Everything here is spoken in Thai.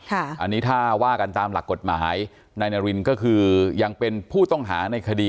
อันนี้ถ้าว่ากันตามหลักกฎหมายนายนารินก็คือยังเป็นผู้ต้องหาในคดี